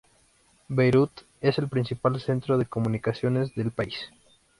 Beirut es el principal centro de comunicaciones del país.